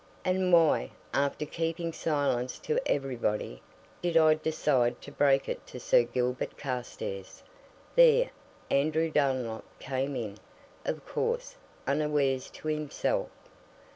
And why, after keeping silence to everybody, did I decide to break it to Sir Gilbert Carstairs? There, Andrew Dunlop came in of course, unawares to himself.